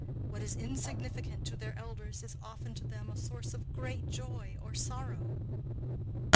What is insignificant to their elders is often to them a source of great joy or sorrow.